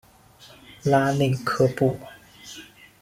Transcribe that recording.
拉内科布。